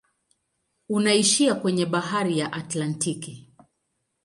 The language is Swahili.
Unaishia kwenye bahari ya Atlantiki.